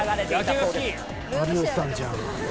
有吉さんじゃん。